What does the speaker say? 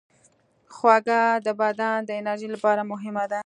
خوږه د بدن د انرژۍ لپاره مهمه ده.